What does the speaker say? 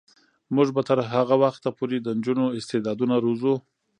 موږ به تر هغه وخته پورې د نجونو استعدادونه روزو.